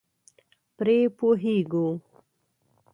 پرې پوهېږو.